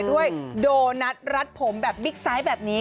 โดนัทรัดผมแบบบิ๊กไซต์แบบนี้